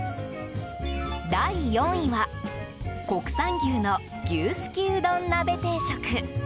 第４位は国産牛の牛すきうどん鍋定食。